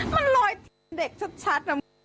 มันลอยเด็กชัด